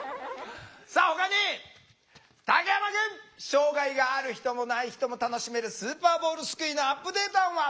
障害がある人もない人も楽しめるスーパーボールすくいのアップデート案は？